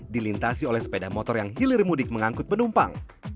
dilintasi oleh sepeda motor yang hilir mudik mengangkut penumpang